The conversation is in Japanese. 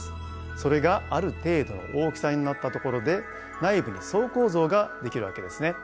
それがある程度の大きさになったところで内部に層構造ができるわけですね。